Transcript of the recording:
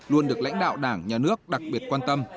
luôn được lãnh đạo đảng nhà nước đặc biệt quan tâm